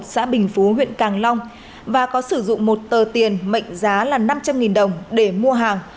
xã bình phú huyện càng long và có sử dụng một tờ tiền mệnh giá là năm trăm linh đồng để mua hàng